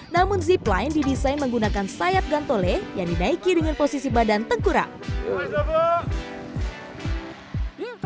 namun zipline didesain menggunakan sayap gantole yang dinaiki dengan posisi badan tengkurang